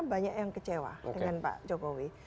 banyak yang kecewa dengan pak jokowi